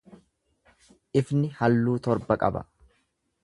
Ifni halluu torba qaba.